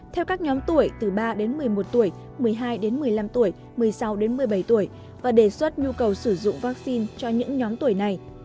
theo các nhóm tuổi từ ba đến một mươi một tuổi một mươi hai đến một mươi năm tuổi một mươi sáu một mươi bảy tuổi và đề xuất nhu cầu sử dụng vaccine cho những nhóm tuổi này